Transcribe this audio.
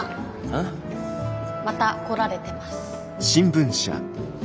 ん？また来られてます。